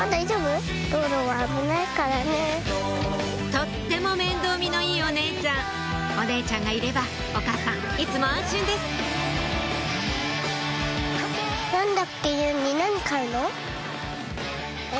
とっても面倒見のいいお姉ちゃんお姉ちゃんがいればお母さんいつも安心ですえ？